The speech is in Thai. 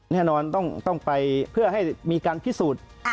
แน่นอนต้องไปเพื่อให้มีการพิสูจน์